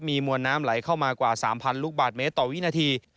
มีมวลน้ำไหลเข้ามากว่า๓๐๐ลูกบาทเมตรต่อวินาที